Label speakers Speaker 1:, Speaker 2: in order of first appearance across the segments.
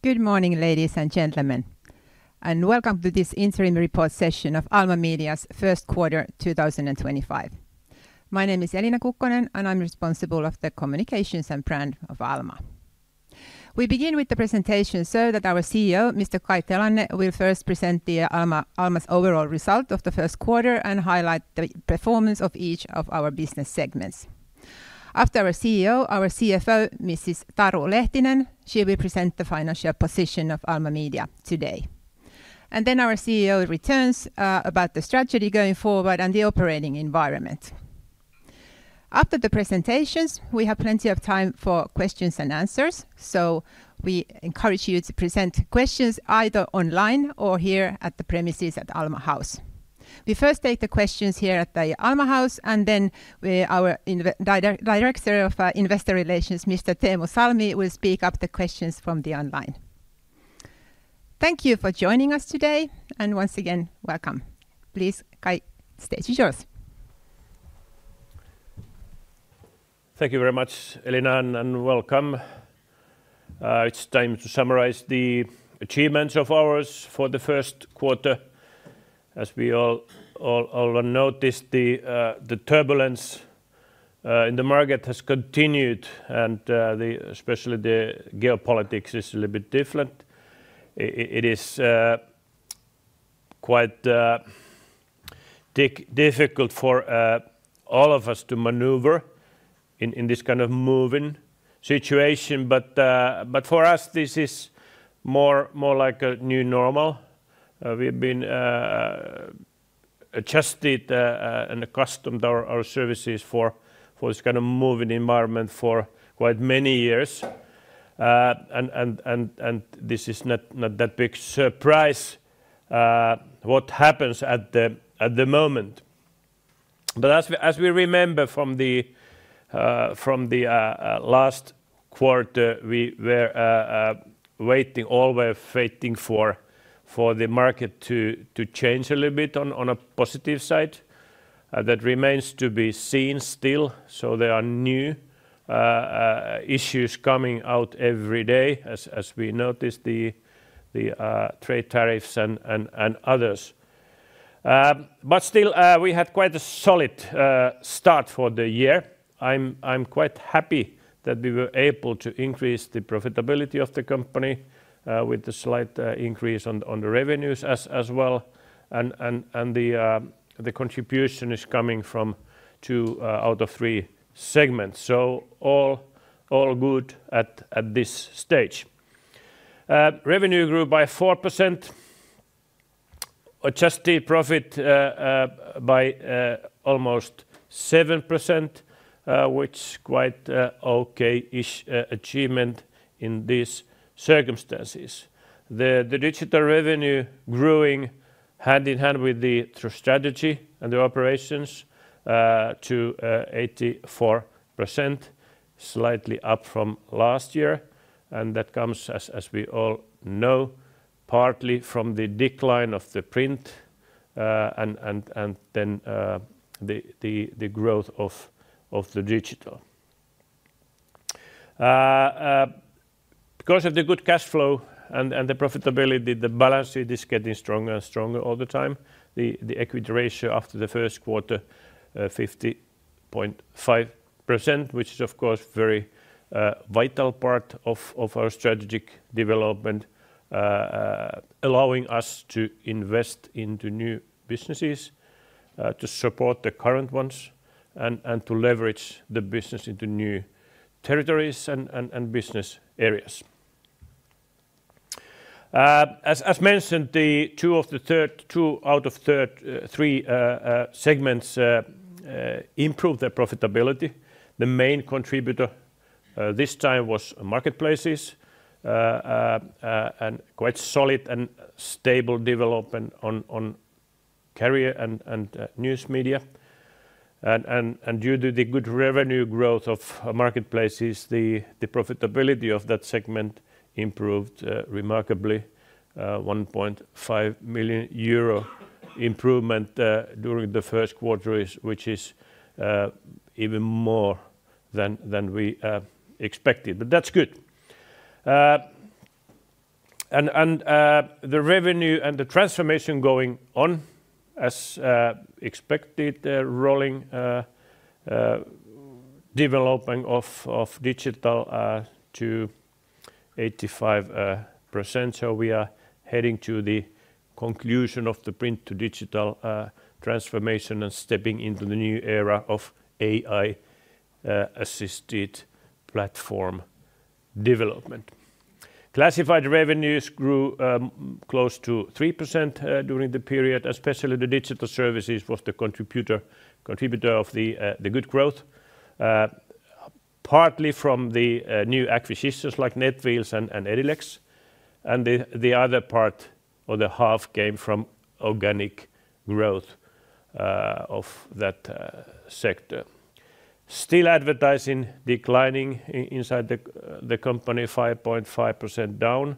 Speaker 1: Good morning, ladies and gentlemen, and welcome to this interim report session of Alma Media's first quarter 2025. My name is Elina Kukkonen, and I'm responsible for the Communications and Brand of Alma. We begin with the presentation so that our CEO, Mr. Kai Telanne, will first present Alma's overall result of the first quarter and highlight the performance of each of our business segments. After our CEO, our CFO, Mrs. Taru Lehtinen, she will present the financial position of Alma Media today. Our CEO returns about the strategy going forward and the operating environment. After the presentations, we have plenty of time for questions and answers, so we encourage you to present questions either online or here at the premises at Alma House. We first take the questions here at the Alma House, and then our Director of Investor Relations, Mr. Teemu Salmi will speak up the questions from the online. Thank you for joining us today, and once again, welcome. Please, Kai, stage is yours.
Speaker 2: Thank you very much, Elina, and welcome. It's time to summarize the achievements of ours for the first quarter. As we all noticed, the turbulence in the market has continued, and especially the geopolitics is a little bit different. It is quite difficult for all of us to maneuver in this kind of moving situation, but for us, this is more like a new normal. We've been adjusted and accustomed our services for this kind of moving environment for quite many years, and this is not that big a surprise what happens at the moment. As we remember from the last quarter, we were waiting all the way waiting for the market to change a little bit on a positive side. That remains to be seen still, so there are new issues coming out every day, as we noticed the trade tariffs and others. Still, we had quite a solid start for the year. I'm quite happy that we were able to increase the profitability of the company with the slight increase on the revenues as well, and the contribution is coming from two out of three segments, so all good at this stage. Revenue grew by 4%, adjusted profit by almost 7%, which is quite an okay-ish achievement in these circumstances. The digital revenue grew hand in hand with the strategy and the operations to 84%, slightly up from last year, and that comes, as we all know, partly from the decline of the print and then the growth of the digital. Because of the good cash flow and the profitability, the balance sheet is getting stronger and stronger all the time. The equity ratio after the first quarter is 50.5%, which is, of course, a very vital part of our strategic development, allowing us to invest into new businesses, to support the current ones, and to leverage the business into new territories and business areas. As mentioned, two out of three segments improved their profitability. The main contributor this time was Marketplaces and quite solid and stable development on Career and News Media. Due to the good revenue growth of Marketplaces, the profitability of that segment improved remarkably, 1.5 million euro improvement during the first quarter, which is even more than we expected, but that's good. The revenue and the transformation going on, as expected, rolling development of digital to 85%, so we are heading to the conclusion of the print-to-digital transformation and stepping into the new era of AI-assisted platform development. Classified revenues grew close to 3% during the period, especially the digital services was the contributor of the good growth, partly from the new acquisitions like Netwheels and Edilex, and the other part or the half came from organic growth of that sector. Still, advertising declining inside the company, 5.5% down.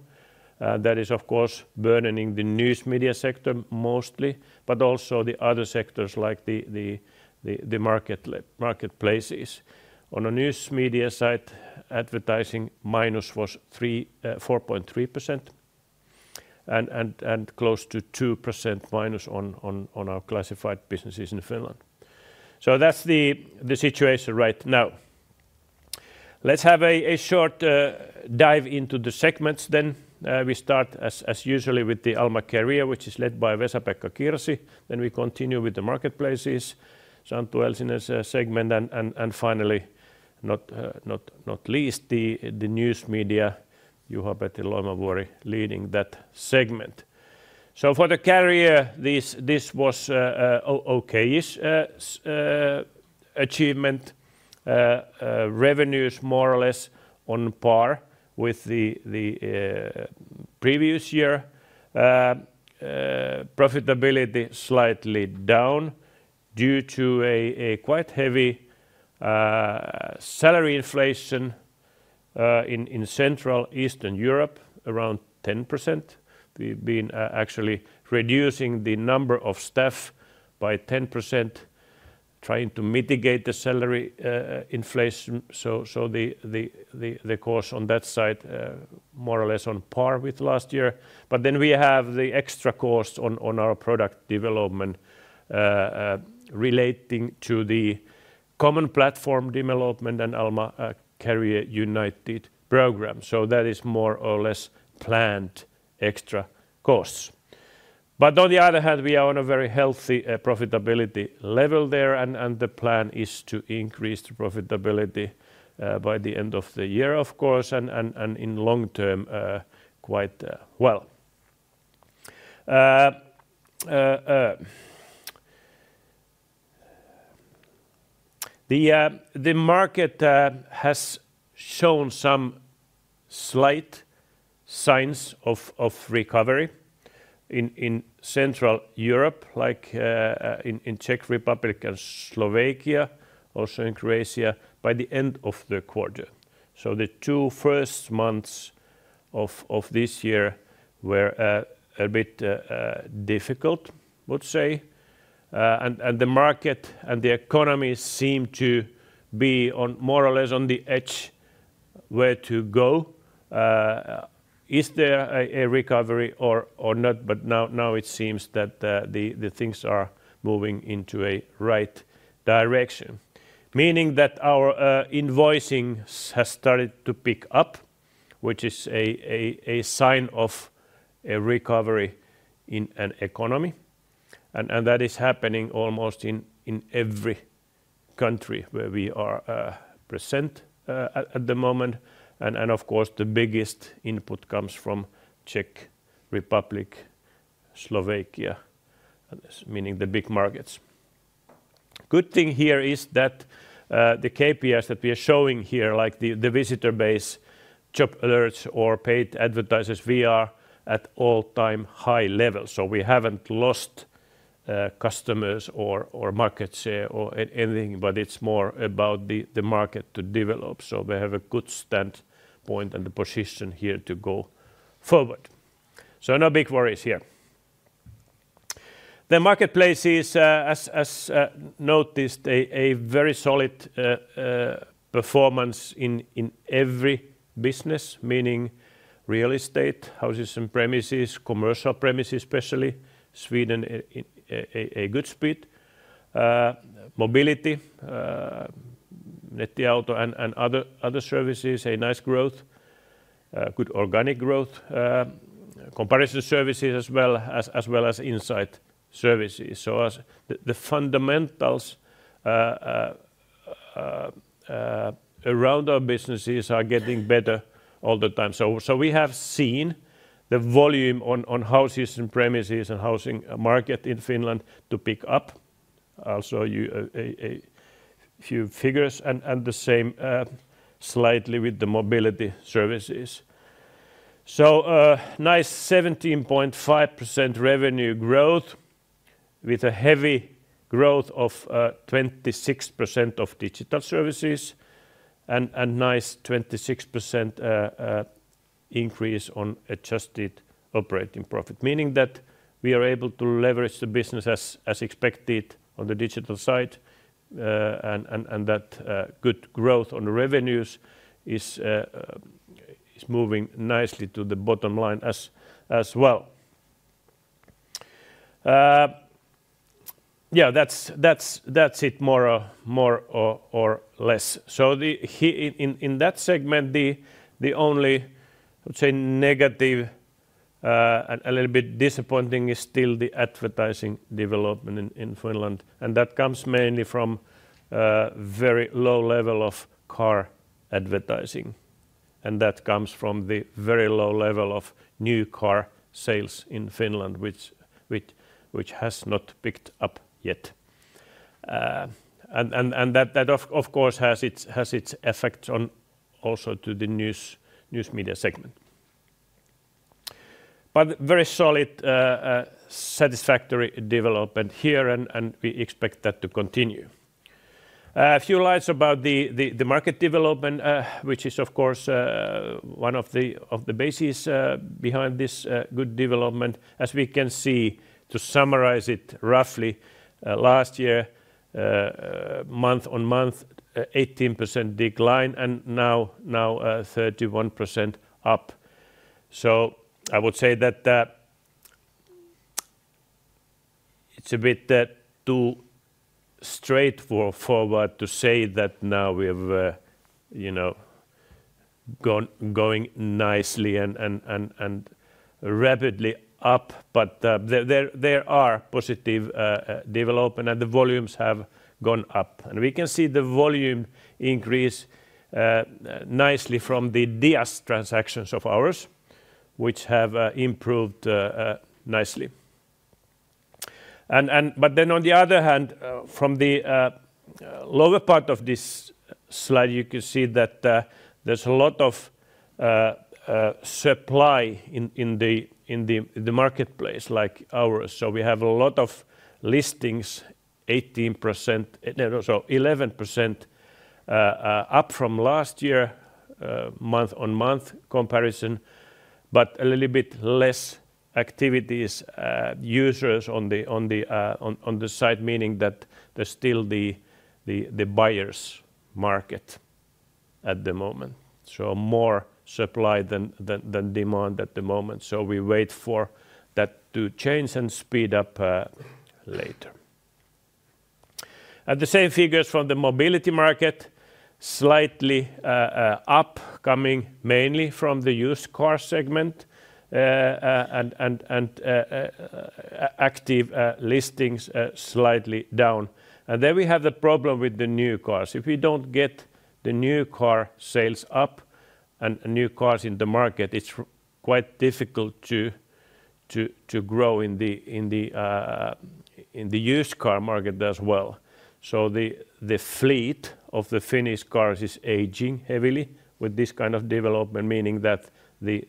Speaker 2: That is, of course, burdening the News Media sector mostly, but also the other sectors like the Marketplaces. On the News Media side, advertising minus was 4.3% and close to 2% minus on our classified businesses in Finland. That is the situation right now. Let's have a short dive into the segments then. We start, as usual, with the Alma Career, which is led by Vesa-Pekka Kirsi. We continue with the Marketplaces, Santtu Elsinen's segment, and finally, not least, the News Media, Juha-Petri Loimovuori, leading that segment. For the Career, this was an okay-ish achievement. Revenues more or less on par with the previous year. Profitability slightly down due to a quite heavy salary inflation in Central Eastern Europe, around 10%. We've been actually reducing the number of staff by 10%, trying to mitigate the salary inflation, so the cost on that side more or less on par with last year. We have the extra cost on our product development relating to the common platform development and Alma Career United program, so that is more or less planned extra costs. On the other hand, we are on a very healthy profitability level there, and the plan is to increase the profitability by the end of the year, of course, and in long-term quite well. The market has shown some slight signs of recovery in Central Europe, like in Czech Republic and Slovakia, also in Croatia, by the end of the quarter. The two first months of this year were a bit difficult, I would say, and the market and the economy seem to be more or less on the edge where to go. Is there a recovery or not? Now it seems that things are moving into a right direction, meaning that our invoicing has started to pick up, which is a sign of a recovery in an economy, and that is happening almost in every country where we are present at the moment. Of course, the biggest input comes from Czech Republic, Slovakia, meaning the big markets. Good thing here is that the KPIs that we are showing here, like the visitor base, job alerts, or paid advertisers, we are at all-time high levels, so we haven't lost customers or market share or anything, but it's more about the market to develop, so we have a good standpoint and the position here to go forward. No big worries here. The Marketplaces is, as noticed, a very solid performance in every business, meaning real estate, houses and premises, commercial premises especially, Sweden a good split, mobility, Nettiauto and other services, a nice growth, good organic growth, comparison services as well as insight services. The fundamentals around our businesses are getting better all the time. We have seen the volume on houses and premises and housing market in Finland to pick up. Also a few figures and the same slightly with the mobility services. Nice 17.5% revenue growth with a heavy growth of 26% of digital services and nice 26% increase on adjusted operating profit, meaning that we are able to leverage the business as expected on the digital side and that good growth on the revenues is moving nicely to the bottom line as well. Yeah, that's it more or less. In that segment, the only, I would say, negative and a little bit disappointing is still the advertising development in Finland, and that comes mainly from very low level of car advertising, and that comes from the very low level of new car sales in Finland, which has not picked up yet. That, of course, has its effects also to the News Media segment. Very solid, satisfactory development here, and we expect that to continue. A few lines about the market development, which is, of course, one of the bases behind this good development. As we can see, to summarize it roughly, last year, month on month, 18% decline, and now 31% up. I would say that it's a bit too straightforward to say that now we're going nicely and rapidly up, but there are positive developments, and the volumes have gone up. We can see the volume increase nicely from the DIAS transactions of ours, which have improved nicely. On the other hand, from the lower part of this slide, you can see that there's a lot of supply in the marketplace like ours. We have a lot of listings, 18%, so 11% up from last year, month on month comparison, but a little bit less activities, users on the site, meaning that there's still the buyers' market at the moment. More supply than demand at the moment, so we wait for that to change and speed up later. The same figures from the mobility market, slightly up, coming mainly from the used car segment, and active listings slightly down. We have the problem with the new cars. If we don't get the new car sales up and new cars in the market, it's quite difficult to grow in the used car market as well. The fleet of the Finnish cars is aging heavily with this kind of development, meaning that the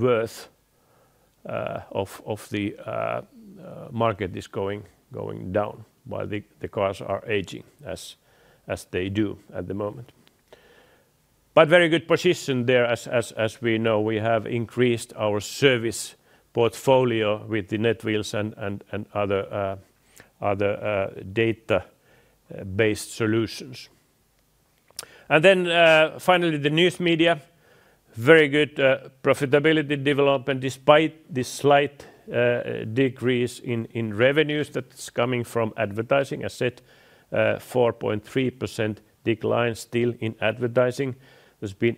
Speaker 2: worth of the market is going down while the cars are aging, as they do at the moment. Very good position there, as we know. We have increased our service portfolio with Netwheels and other data-based solutions. Finally, the News Media, very good profitability development despite the slight decrease in revenues that's coming from advertising. I said 4.3% decline still in advertising. It's been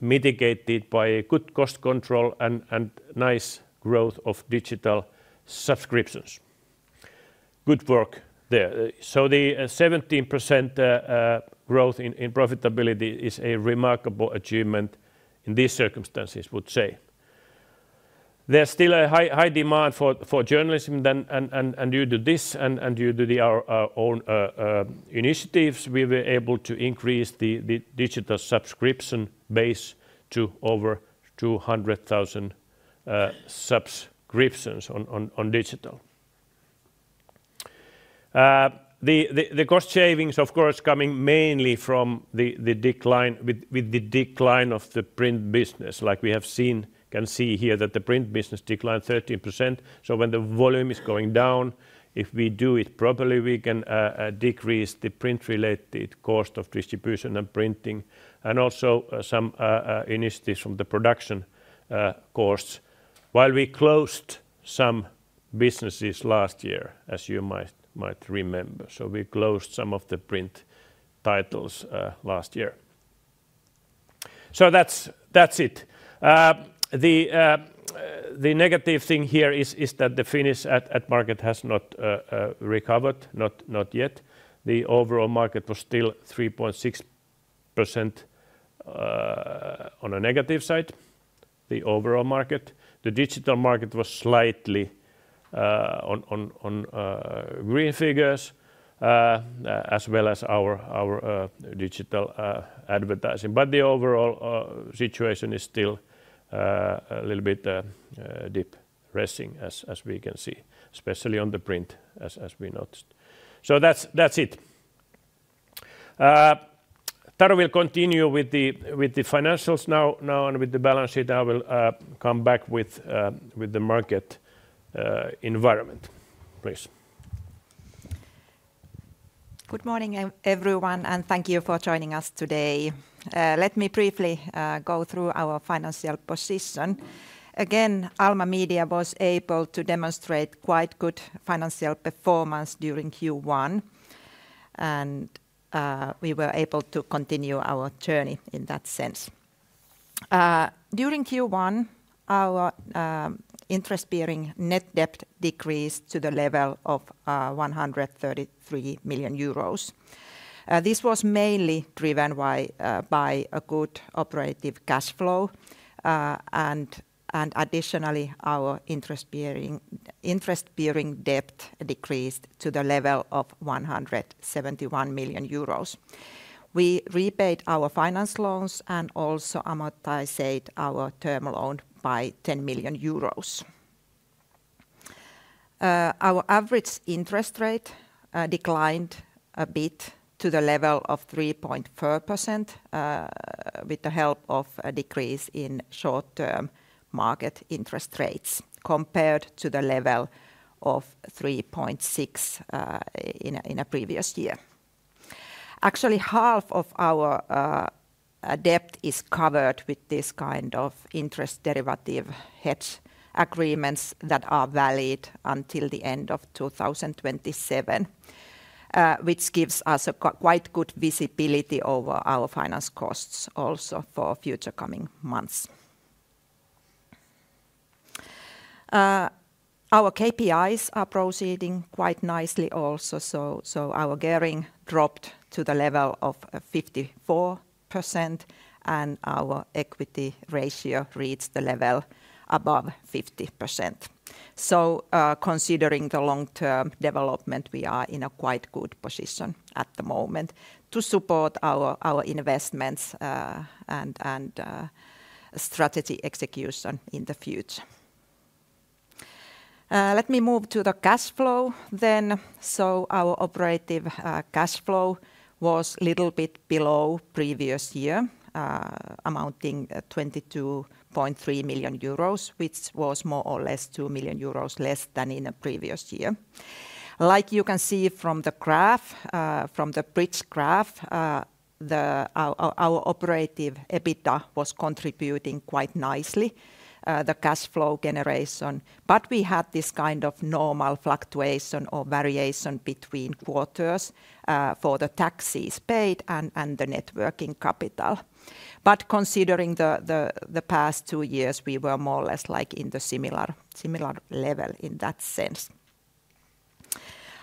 Speaker 2: mitigated by good cost control and nice growth of digital subscriptions. Good work there. The 17% growth in profitability is a remarkable achievement in these circumstances, I would say. There's still a high demand for journalism, and due to this and due to our own initiatives, we were able to increase the digital subscription base to over 200,000 subscriptions on digital. The cost savings, of course, coming mainly from the decline with the decline of the print business. Like we have seen, can see here that the print business declined 13%. When the volume is going down, if we do it properly, we can decrease the print-related cost of distribution and printing, and also some initiatives from the production costs. While we closed some businesses last year, as you might remember, we closed some of the print titles last year. That is it. The negative thing here is that the Finnish ad market has not recovered, not yet. The overall market was still 3.6% on a negative side, the overall market. The digital market was slightly on green figures, as well as our digital advertising. The overall situation is still a little bit depressing, as we can see, especially on the print, as we noticed. That is it. Taru will continue with the financials now, and with the balance sheet, I will come back with the market environment, please.
Speaker 3: Good morning, everyone, and thank you for joining us today. Let me briefly go through our financial position. Again, Alma Media was able to demonstrate quite good financial performance during Q1, and we were able to continue our journey in that sense. During Q1, our interest-bearing net debt decreased to the level of 133 million euros. This was mainly driven by a good operative cash flow, and additionally, our interest-bearing debt decreased to the level of 171 million euros. We repaid our finance loans and also amortized our term loan by 10 million euros. Our average interest rate declined a bit to the level of 3.4% with the help of a decrease in short-term market interest rates compared to the level of 3.6% in a previous year. Actually, half of our debt is covered with this kind of interest derivative hedge agreements that are valid until the end of 2027, which gives us a quite good visibility over our finance costs also for future coming months. Our KPIs are proceeding quite nicely also, so our gearing dropped to the level of 54%, and our equity ratio reached the level above 50%. Considering the long-term development, we are in a quite good position at the moment to support our investments and strategy execution in the future. Let me move to the cash flow then. Our operative cash flow was a little bit below previous year, amounting to 22.3 million euros, which was more or less 2 million euros less than in a previous year. Like you can see from the graph, from the bridge graph, our operative EBITDA was contributing quite nicely, the cash flow generation. We had this kind of normal fluctuation or variation between quarters for the taxes paid and the networking capital. Considering the past two years, we were more or less like in the similar level in that sense.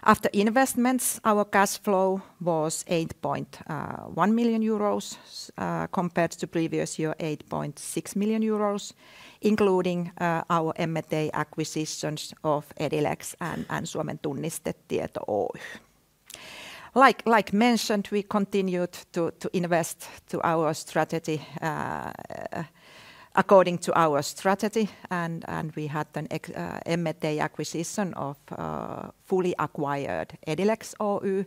Speaker 3: After investments, our cash flow was 8.1 million euros compared to previous year, 8.6 million euros, including our M&A acquisitions of Edilex Oy and Suomen Tunnistetieto Oy. Like mentioned, we continued to invest according to our strategy, and we had an M&A acquisition of fully acquired Edilex Oy,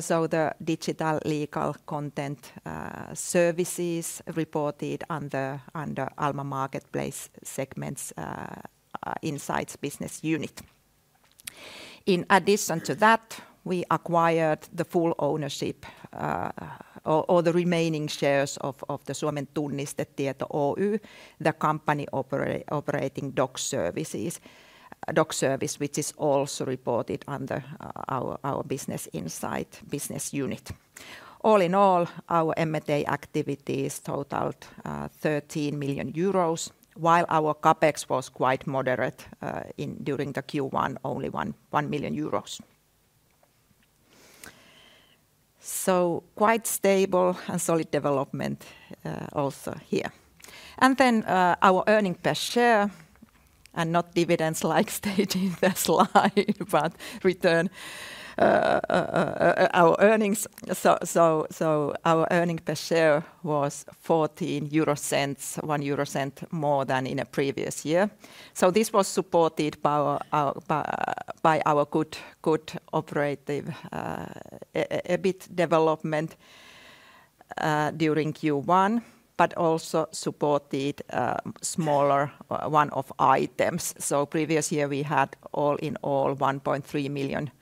Speaker 3: so the digital legal content services reported under Alma Marketplaces segment's insights business unit. In addition to that, we acquired the full ownership or the remaining shares of Suomen Tunnistetieto Oy, the company operating DOKS services, which is also reported under our business insight business unit. All in all, our M&A activities totaled 13 million euros, while our CapEx was quite moderate during the Q1, only 1 million euros. Quite stable and solid development also here. Our earnings per share, and not dividends like stated in the slide, but return our earnings. Our earnings per share was 0.14, 0.01 more than in the previous year. This was supported by our good operative EBIT development during Q1, but also supported by smaller one-off items. Previous year, we had all in all 1.3 million euro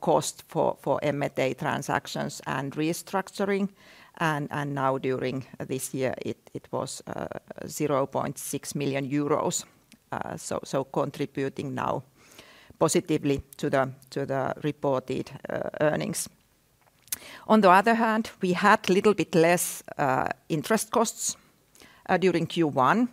Speaker 3: cost for M&A transactions and restructuring, and now during this year, it was 0.6 million euros, contributing now positively to the reported earnings. On the other hand, we had a little bit less interest costs during Q1,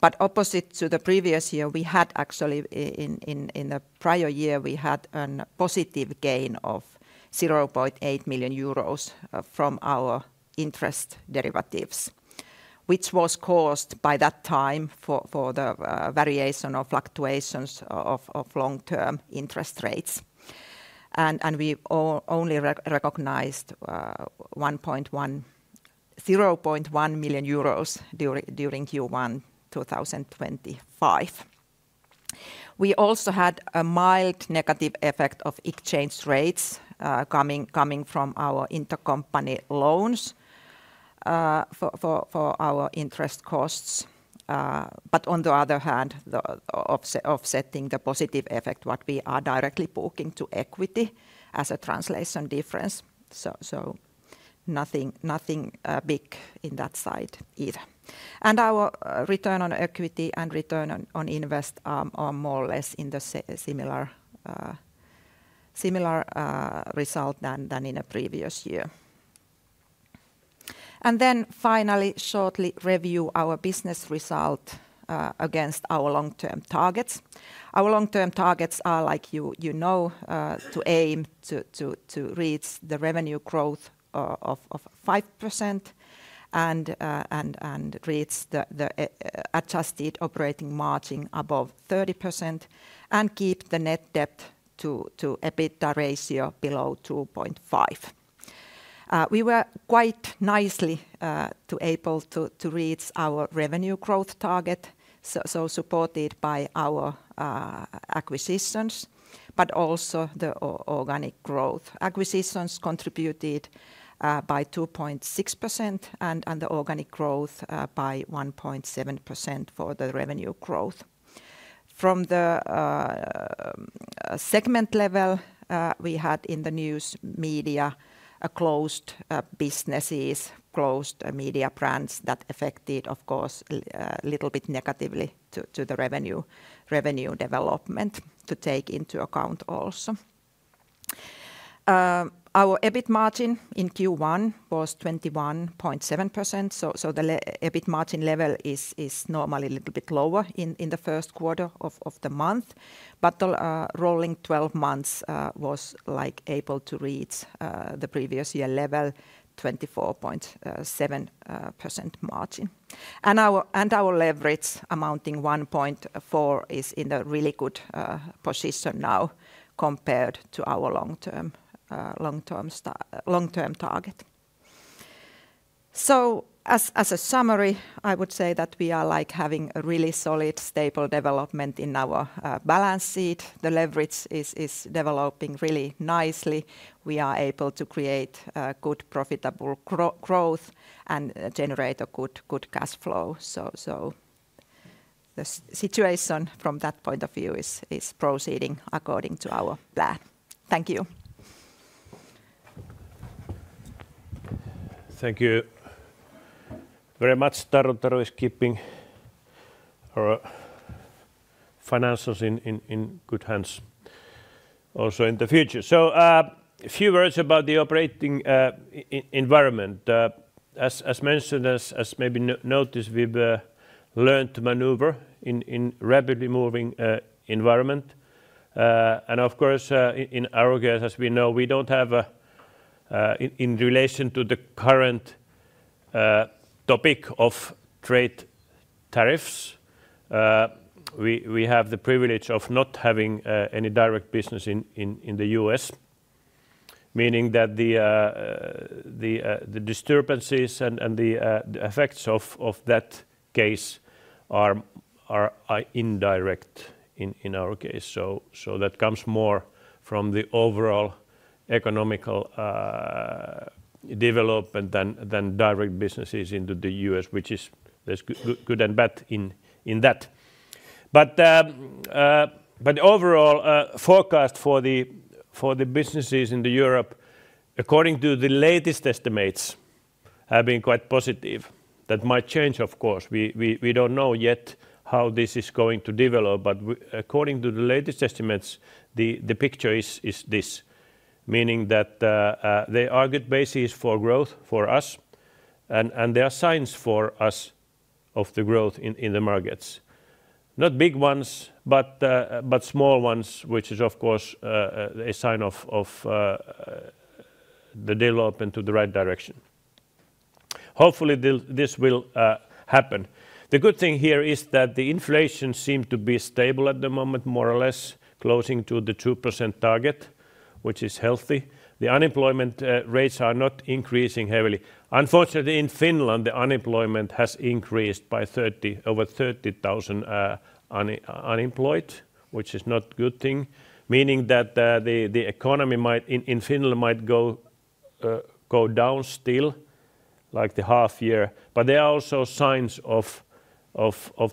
Speaker 3: but opposite to the previous year, we had actually in the prior year, we had a positive gain of 0.8 million euros from our interest derivatives, which was caused by that time for the variation or fluctuations of long-term interest rates. We only recognized EUR 0.1 million during Q1 2025. We also had a mild negative effect of exchange rates coming from our intercompany loans for our interest costs. On the other hand, offsetting the positive effect, what we are directly booking to equity as a translation difference. Nothing big in that side either. Our return on equity and return on invest are more or less in the similar result than in a previous year. Finally, shortly review our business result against our long-term targets. Our long-term targets are, like you know, to aim to reach the revenue growth of 5% and reach the adjusted operating margin above 30% and keep the net debt to EBITDA ratio below 2.5. We were quite nicely able to reach our revenue growth target, like you know, supported by our acquisitions, but also the organic growth. Acquisitions contributed by 2.6% and the organic growth by 1.7% for the revenue growth. From the segment level, we had in the News Media closed businesses, closed media brands that affected, of course, a little bit negatively to the revenue development to take into account also. Our EBIT margin in Q1 was 21.7%, so the EBIT margin level is normally a little bit lower in the first quarter of the month, but the rolling 12 months was able to reach the previous year level, 24.7% margin. Our leverage amounting to 1.4 is in a really good position now compared to our long-term target. As a summary, I would say that we are having a really solid, stable development in our balance sheet. The leverage is developing really nicely. We are able to create good profitable growth and generate a good cash flow. The situation from that point of view is proceeding according to our plan. Thank you.
Speaker 2: Thank you very much. Taru is keeping our finances in good hands also in the future. A few words about the operating environment. As mentioned, as maybe noticed, we've learned to maneuver in a rapidly moving environment. Of course, in our case, as we know, we do not have, in relation to the current topic of trade tariffs, the privilege of not having any direct business in the U.S., meaning that the disturbances and the effects of that case are indirect in our case. That comes more from the overall economical development than direct businesses into the U.S., which is good and bad in that. The overall forecast for the businesses in Europe, according to the latest estimates, has been quite positive. That might change, of course. We do not know yet how this is going to develop, but according to the latest estimates, the picture is this, meaning that the argument base is for growth for us, and there are signs for us of the growth in the markets. Not big ones, but small ones, which is, of course, a sign of the development to the right direction. Hopefully, this will happen. The good thing here is that the inflation seems to be stable at the moment, more or less closing to the 2% target, which is healthy. The unemployment rates are not increasing heavily. Unfortunately, in Finland, the unemployment has increased by over 30,000 unemployed, which is not a good thing, meaning that the economy in Finland might go down still like the half year. There are also signs of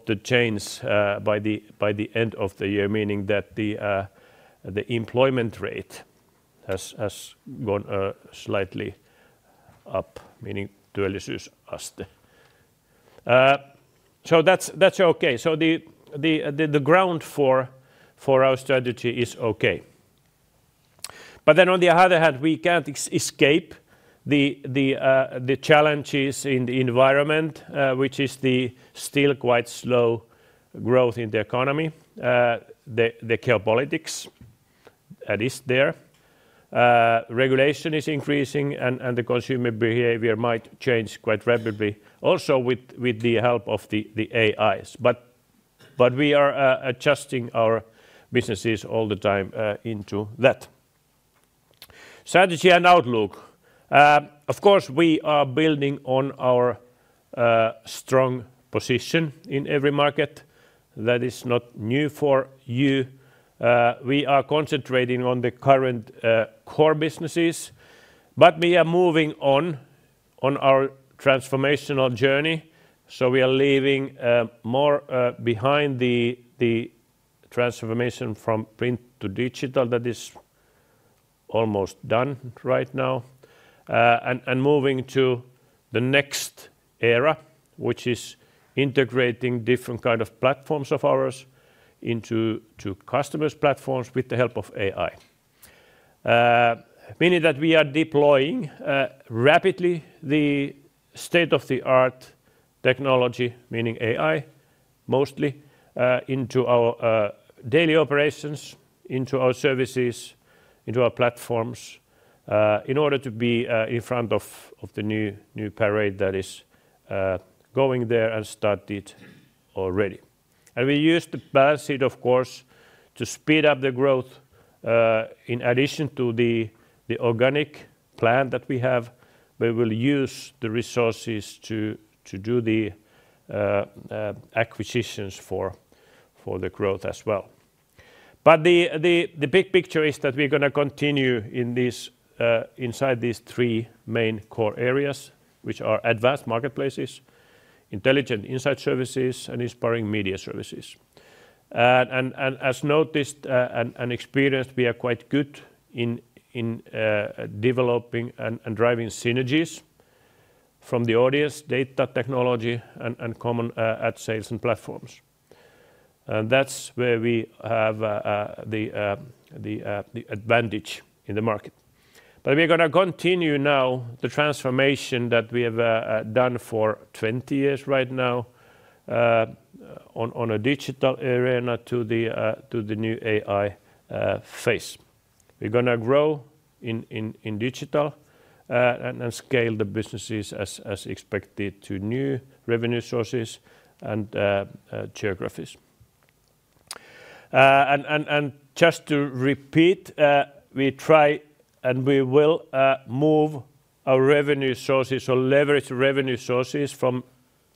Speaker 2: the change by the end of the year, meaning that the employment rate has gone slightly up, meaning työllisyysaste. That's okay. The ground for our strategy is okay. On the other hand, we can't escape the challenges in the environment, which is still quite slow growth in the economy, the geopolitics that is there. Regulation is increasing, and the consumer behavior might change quite rapidly, also with the help of the AIs. We are adjusting our businesses all the time into that. Strategy and outlook. Of course, we are building on our strong position in every market. That is not new for you. We are concentrating on the current core businesses, but we are moving on our transformational journey. We are leaving more behind the transformation from print to digital that is almost done right now and moving to the next era, which is integrating different kinds of platforms of ours into customers' platforms with the help of AI, meaning that we are deploying rapidly the state-of-the-art technology, meaning AI mostly, into our daily operations, into our services, into our platforms in order to be in front of the new parade that is going there and started already. We use the balance sheet, of course, to speed up the growth. In addition to the organic plan that we have, we will use the resources to do the acquisitions for the growth as well. The big picture is that we're going to continue inside these three main core areas, which are advanced marketplaces, intelligent insight services, and inspiring media services. As noticed and experienced, we are quite good in developing and driving synergies from the audience data technology and common ad sales and platforms. That is where we have the advantage in the market. We are going to continue now the transformation that we have done for 20 years right now on a digital arena to the new AI phase. We are going to grow in digital and scale the businesses as expected to new revenue sources and geographies. Just to repeat, we try and we will move our revenue sources or leverage revenue sources from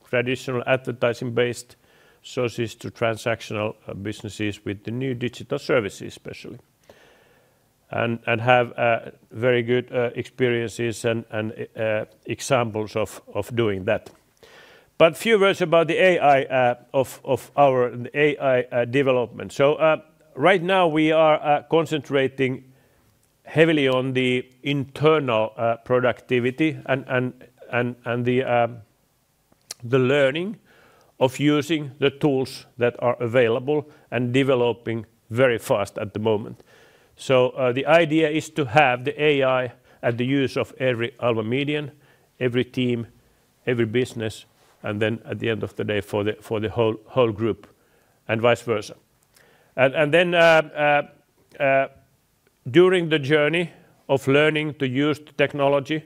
Speaker 2: traditional advertising-based sources to transactional businesses with the new digital services especially, and have very good experiences and examples of doing that. A few words about the AI development. Right now, we are concentrating heavily on the internal productivity and the learning of using the tools that are available and developing very fast at the moment. The idea is to have the AI at the use of every Alma Median, every team, every business, and then at the end of the day for the whole group and vice versa. During the journey of learning to use technology,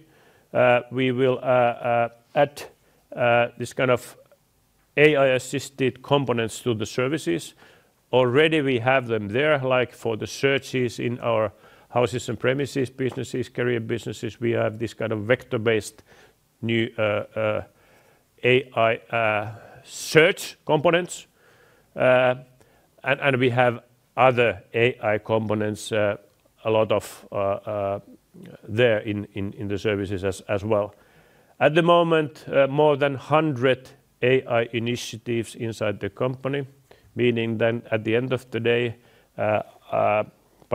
Speaker 2: we will add this kind of AI-assisted components to the services. Already we have them there, like for the searches in our houses and premises businesses, career businesses, we have this kind of vector-based new AI search components. We have other AI components a lot of there in the services as well. At the moment, more than 100 AI initiatives inside the company, meaning then at the end of the day, by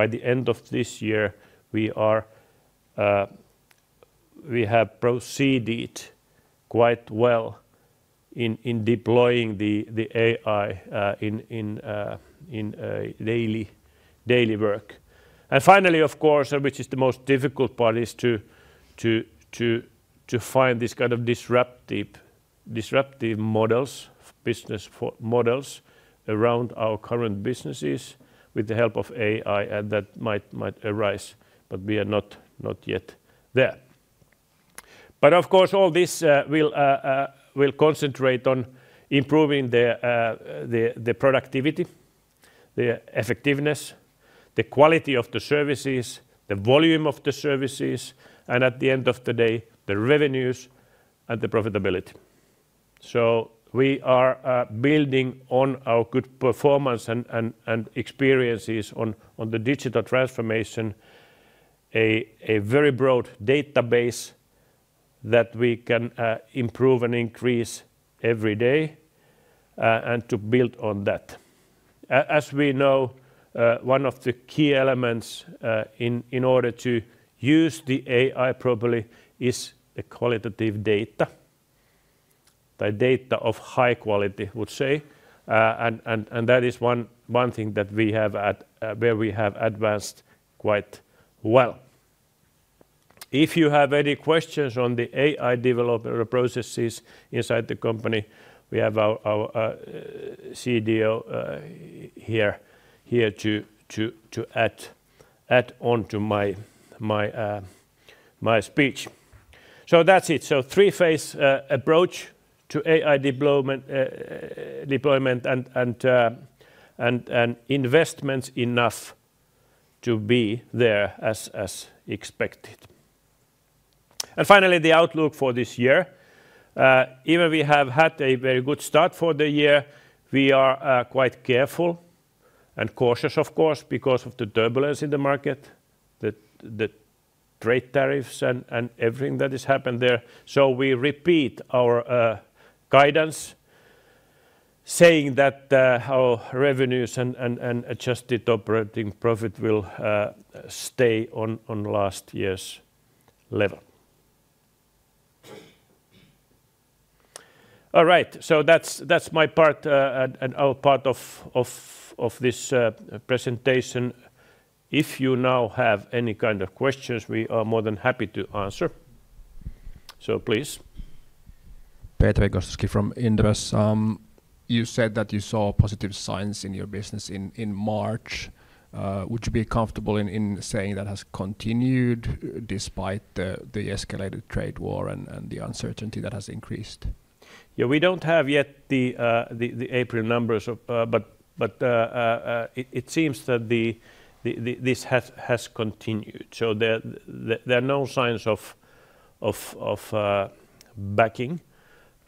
Speaker 2: the end of this year, we have proceeded quite well in deploying the AI in daily work. Finally, of course, which is the most difficult part, is to find this kind of disruptive models, business models around our current businesses with the help of AI that might arise, but we are not yet there. Of course, all this will concentrate on improving the productivity, the effectiveness, the quality of the services, the volume of the services, and at the end of the day, the revenues and the profitability. We are building on our good performance and experiences on the digital transformation, a very broad database that we can improve and increase every day and to build on that. As we know, one of the key elements in order to use the AI properly is the qualitative data, the data of high quality, would say. That is one thing that we have where we have advanced quite well. If you have any questions on the AI development processes inside the company, we have our CDO here to add on to my speech. That is it. Three-phase approach to AI deployment and investments enough to be there as expected. Finally, the outlook for this year. Even we have had a very good start for the year. We are quite careful and cautious, of course, because of the turbulence in the market, the trade tariffs and everything that has happened there. We repeat our guidance, saying that our revenues and adjusted operating profit will stay on last year's level. All right.
Speaker 4: That's my part and our part of this presentation. If you now have any kind of questions, we are more than happy to answer. Please.
Speaker 5: Petri Gostowski from Inderes. You said that you saw positive signs in your business in March. Would you be comfortable in saying that has continued despite the escalated trade war and the uncertainty that has increased?
Speaker 2: Yeah, we do not have yet the April numbers, but it seems that this has continued. There are no signs of backing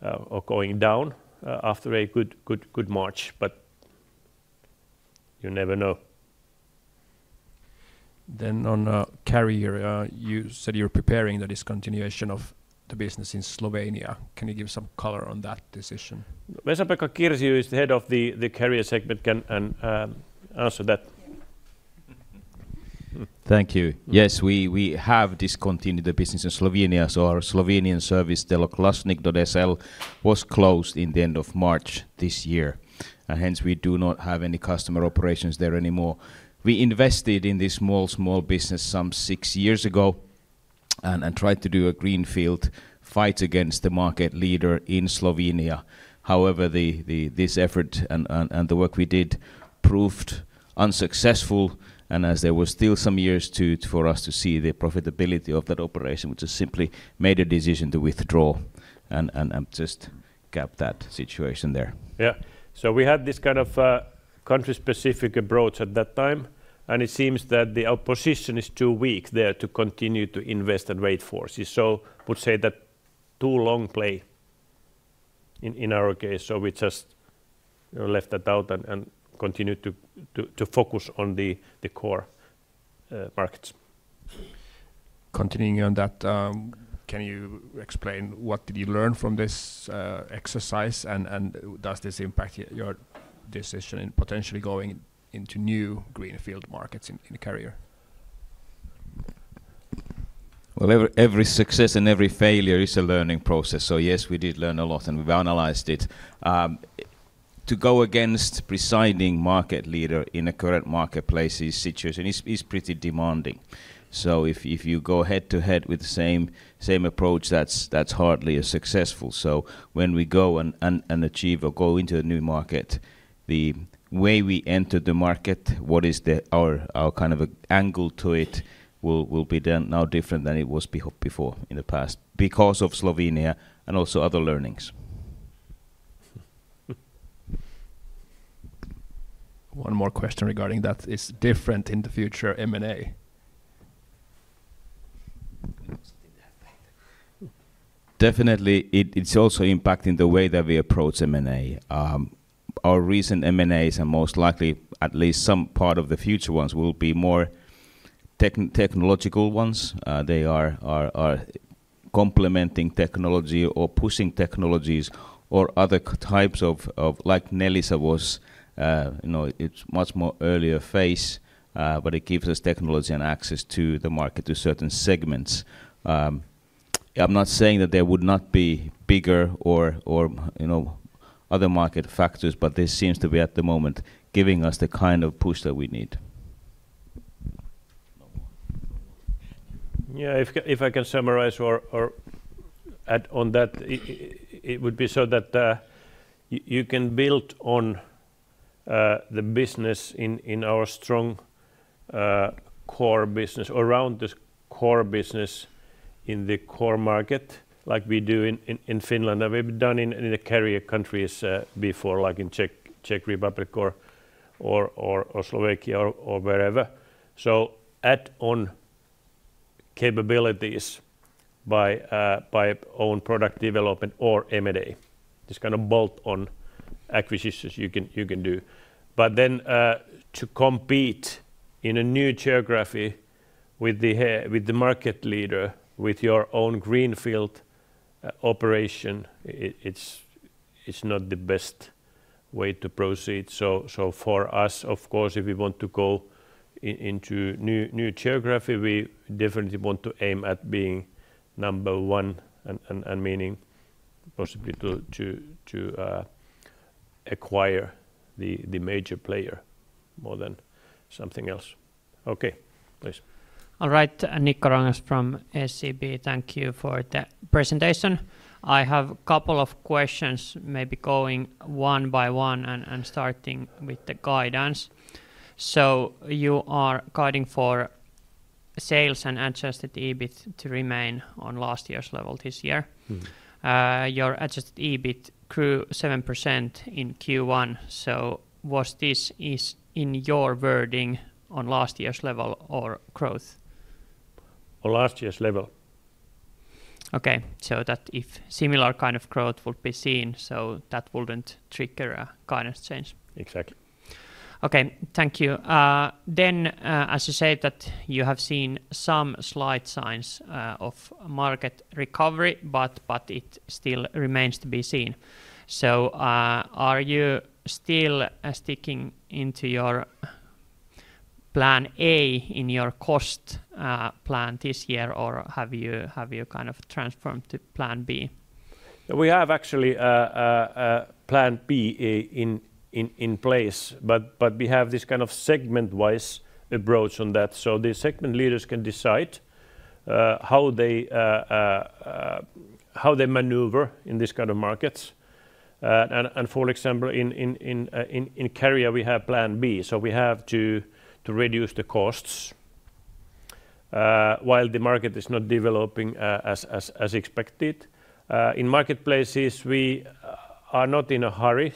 Speaker 2: or going down after a good March, but you never know.
Speaker 5: On Career, you said you are preparing the discontinuation of the business in Slovenia. Can you give some color on that decision?
Speaker 2: Vesa-Pekka Kirsi, who is the Head of the Career segment, can answer that.
Speaker 6: Thank you. Yes, we have discontinued the business in Slovenia. Our Slovenian service, deloglasnik.si, was closed at the end of March this year. Hence, we do not have any customer operations there anymore. We invested in this small, small business some six years ago and tried to do a greenfield fight against the market leader in Slovenia. However, this effort and the work we did proved unsuccessful. As there were still some years for us to see the profitability of that operation, we just simply made a decision to withdraw and just kept that situation there.
Speaker 2: Yeah. We had this kind of country-specific approach at that time. It seems that the opposition is too weak there to continue to invest and wait for us. I would say that too long play in our case. We just left that out and continued to focus on the core markets.
Speaker 5: Continuing on that, can you explain what did you learn from this exercise and does this impact your decision in potentially going into new greenfield markets in the career?
Speaker 6: Every success and every failure is a learning process. Yes, we did learn a lot and we've analyzed it. To go against presiding market leader in a current marketplace situation is pretty demanding. If you go head to head with the same approach, that's hardly successful. When we go and achieve or go into a new market, the way we enter the market, what is our kind of angle to it will be now different than it was before in the past because of Slovenia and also other learnings.
Speaker 5: One more question regarding that is different in the future M&A.
Speaker 6: Definitely, it's also impacting the way that we approach M&A. Our recent M&As are most likely, at least some part of the future ones will be more technological ones. They are complementing technology or pushing technologies or other types of, like Netwheels was, it's much more earlier phase, but it gives us technology and access to the market to certain segments. I'm not saying that there would not be bigger or other market factors, but this seems to be at the moment giving us the kind of push that we need.
Speaker 2: Yeah, if I can summarize or add on that, it would be so that you can build on the business in our strong core business or around this core business in the core market, like we do in Finland and we've done in the carrier countries before, like in Czech Republic or Slovakia or wherever. So add on capabilities by own product development or M&A. This kind of bolt-on acquisitions you can do. Then to compete in a new geography with the market leader with your own greenfield operation, it's not the best way to proceed. For us, of course, if we want to go into new geography, we definitely want to aim at being number one and meaning possibly to acquire the major player more than something else. Okay, please.
Speaker 7: All right. Nikko Rongas from SEB. Thank you for the presentation. I have a couple of questions maybe going one by one and starting with the guidance. You are guiding for sales and adjusted EBIT to remain on last year's level this year. Your adjusted EBIT grew 7% in Q1. Was this in your wording on last year's level or growth?
Speaker 2: On last year's level.
Speaker 7: Okay. If similar kind of growth would be seen, that would not trigger a kind of change.
Speaker 2: Exactly.
Speaker 7: Okay. Thank you. As you said, you have seen some slight signs of market recovery, but it still remains to be seen. Are you still sticking to your Plan A in your cost plan this year, or have you kind of transformed to Plan B?
Speaker 2: We actually have Plan B in place, but we have this kind of segment-wise approach on that. The segment leaders can decide how they maneuver in these kinds of markets. For example, in Career, we have Plan B, so we have to reduce the costs while the market is not developing as expected. In Marketplaces, we are not in a hurry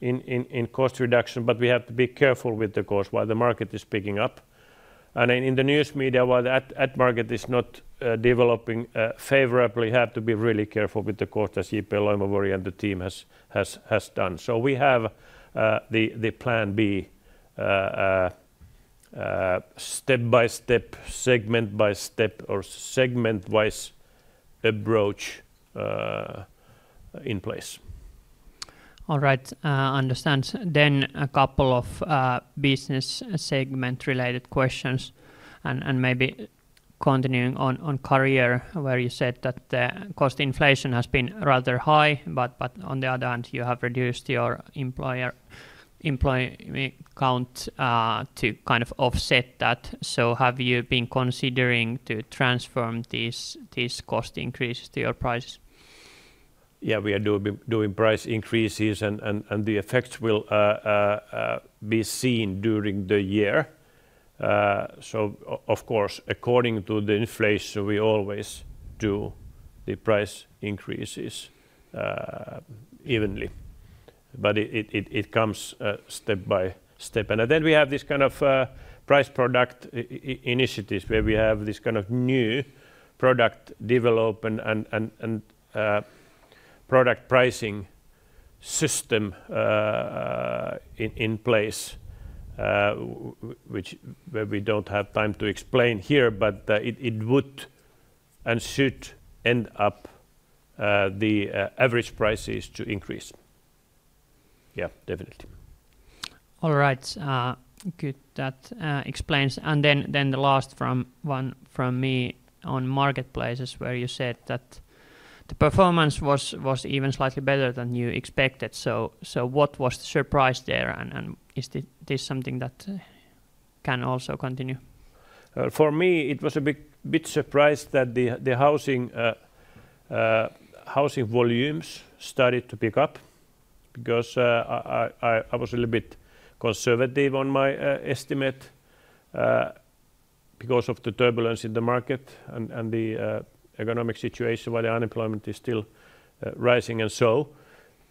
Speaker 2: in cost reduction, but we have to be careful with the cost while the market is picking up. In the News Media, while the ad market is not developing favorably, we have to be really careful with the cost as Juha-Petri Loimovuori and the team has done. We have the Plan B step by step, segment by step, or segment-wise approach in place.
Speaker 7: All right. I understand. A couple of business segment-related questions and maybe continuing on Career, where you said that the cost inflation has been rather high, but on the other hand, you have reduced your employee count to kind of offset that. Have you been considering to transform these cost increases to your price?
Speaker 2: Yeah, we are doing price increases, and the effects will be seen during the year. Of course, according to the inflation, we always do the price increases evenly. It comes step by step. We have this kind of price product initiatives where we have this kind of new product development and product pricing system in place, which we do not have time to explain here, but it would and should end up the average prices to increase. Yeah, definitely. All right.
Speaker 7: Good. That explains. The last one from me on Marketplaces where you said that the performance was even slightly better than you expected. What was the surprise there? Is this something that can also continue?
Speaker 2: For me, it was a bit surprised that the housing volumes started to pick up because I was a little bit conservative on my estimate because of the turbulence in the market and the economic situation where the unemployment is still rising and so.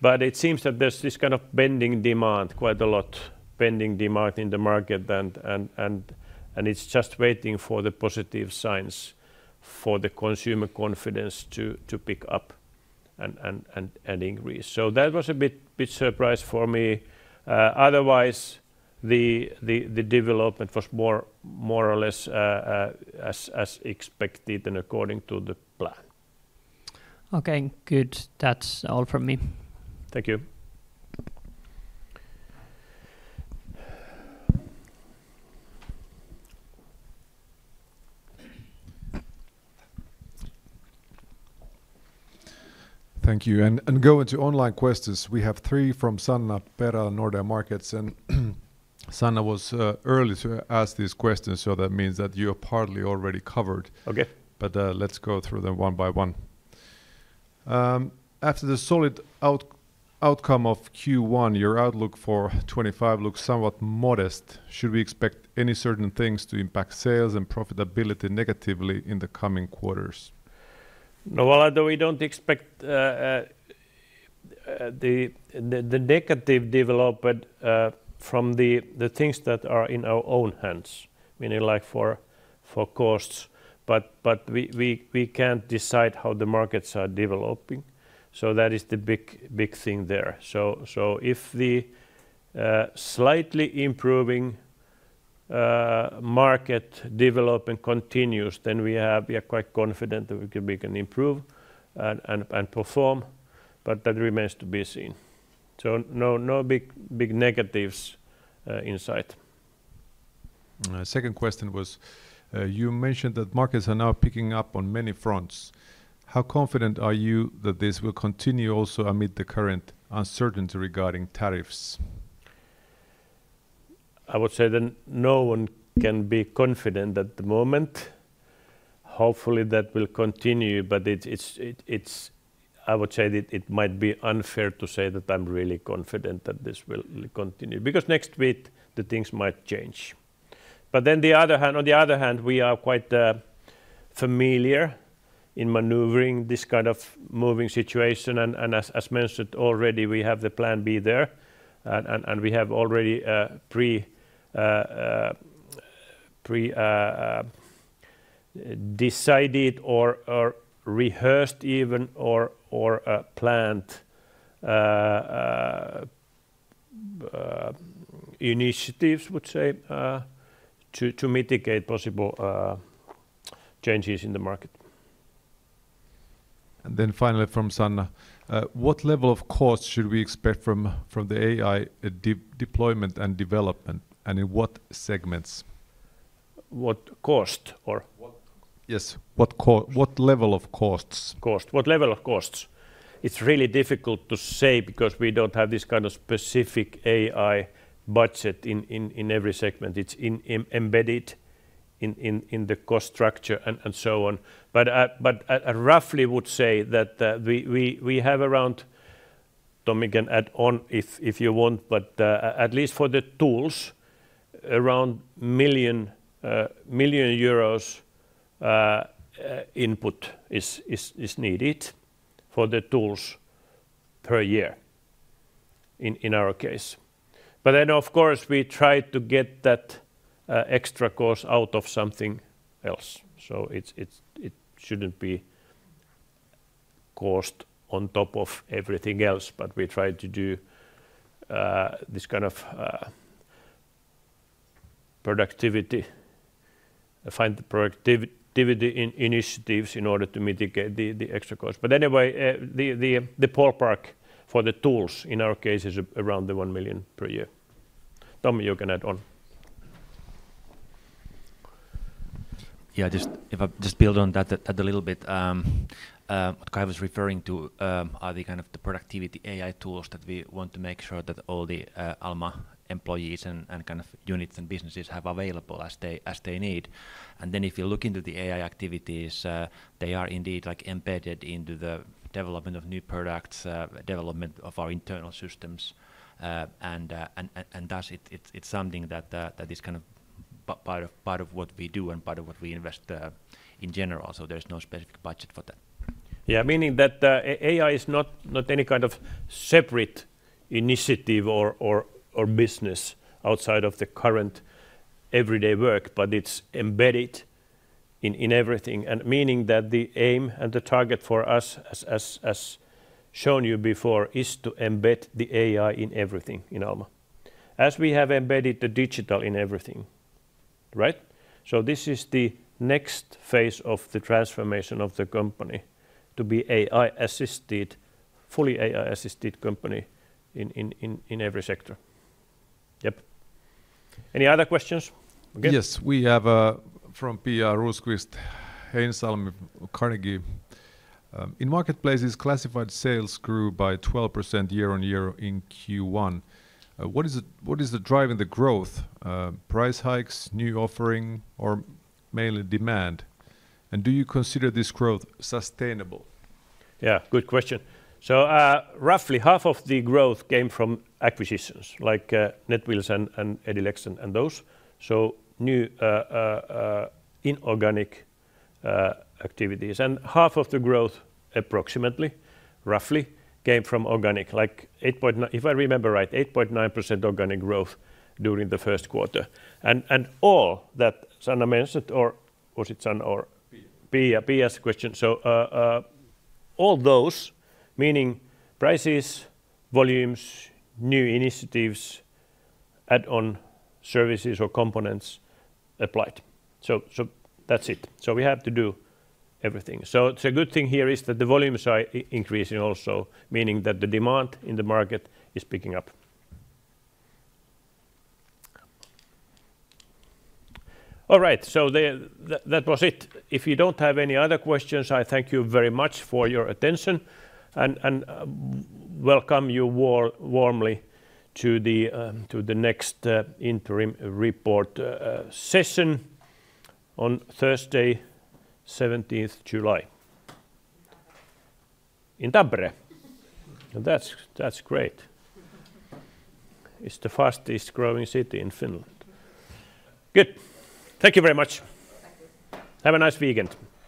Speaker 2: It seems that there's this kind of bending demand quite a lot, bending demand in the market, and it's just waiting for the positive signs for the consumer confidence to pick up and increase. That was a bit surprised for me. Otherwise, the development was more or less as expected and according to the plan.
Speaker 7: Okay. Good. That's all from me.
Speaker 2: Thank you.
Speaker 4: Thank you. Going to online questions, we have three from Sanna Perälä Nordea Markets. Sanna was early to ask these questions, so that means that you have partly already covered. Let's go through them one by one. After the solid outcome of Q1, your outlook for 2025 looks somewhat modest. Should we expect any certain things to impact sales and profitability negatively in the coming quarters?
Speaker 2: No, we don't expect the negative development from the things that are in our own hands, meaning like for costs. We can't decide how the markets are developing. That is the big thing there. If the slightly improving market development continues, then we are quite confident that we can improve and perform. That remains to be seen. No big negatives in sight.
Speaker 4: Second question was, you mentioned that markets are now picking up on many fronts. How confident are you that this will continue also amid the current uncertainty regarding tariffs?
Speaker 2: I would say that no one can be confident at the moment. Hopefully, that will continue, but I would say it might be unfair to say that I'm really confident that this will continue because next week, the things might change. On the other hand, we are quite familiar in maneuvering this kind of moving situation. As mentioned already, we have the Plan B there. We have already pre-decided or rehearsed even or planned initiatives, would say, to mitigate possible changes in the market.
Speaker 4: Finally from Sanna, what level of cost should we expect from the AI deployment and development and in what segments?
Speaker 2: What cost or?
Speaker 4: Yes. What level of costs? Cost.
Speaker 2: What level of costs? It's really difficult to say because we don't have this kind of specific AI budget in every segment. It's embedded in the cost structure and so on. I roughly would say that we have around, Tommi can add on if you want, but at least for the tools, around EUR 1 million input is needed for the tools per year in our case. Of course, we try to get that extra cost out of something else. It should not be cost on top of everything else, but we try to do this kind of productivity, find productivity initiatives in order to mitigate the extra cost. Anyway, the ballpark for the tools in our case is around 1 million per year. Tommi, you can add on.
Speaker 8: Yeah, just build on that a little bit. What I was referring to are the kind of the productivity AI tools that we want to make sure that all the Alma employees and kind of units and businesses have available as they need. If you look into the AI activities, they are indeed embedded into the development of new products, development of our internal systems. Thus, it's something that is kind of part of what we do and part of what we invest in general. There's no specific budget for that.
Speaker 2: Yeah, meaning that AI is not any kind of separate initiative or business outside of the current everyday work, but it's embedded in everything. Meaning that the aim and the target for us, as shown you before, is to embed the AI in everything in Alma, as we have embedded the digital in everything. Right? This is the next phase of the transformation of the company to be fully AI-assisted company in every sector. Yep. Any other questions?
Speaker 4: Yes, we have from Pia Rosqvist-Heinsalmi on Carnegie. In Marketplaces, classified sales grew by 12% year on year in Q1. What is driving the growth? Price hikes, new offering, or mainly demand? Do you consider this growth sustainable?
Speaker 2: Yeah, good question. Roughly half of the growth came from acquisitions like Netwheels and Edilex and those. New inorganic activities. Half of the growth, approximately, roughly came from organic, like if I remember right, 8.9% organic growth during the first quarter. All that Sanna mentioned, or was it Sanna or Pia's question? All those, meaning prices, volumes, new initiatives, add-on services or components applied. That's it. We have to do everything. The good thing here is that the volumes are increasing also, meaning that the demand in the market is picking up. All right. That was it. If you don't have any other questions, I thank you very much for your attention and welcome you warmly to the next interim report session on Thursday, 17th July in Tampere. That's great. It's the fastest growing city in Finland. Good. Thank you very much. Have a nice weekend.